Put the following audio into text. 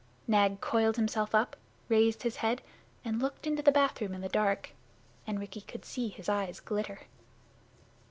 Nag coiled himself up, raised his head, and looked into the bathroom in the dark, and Rikki could see his eyes glitter.